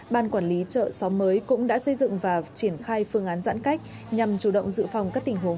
ban quản lý chợ xóm mới cũng đã xây dựng và triển khai phương án giãn cách nhằm chủ động dự phòng các tình huống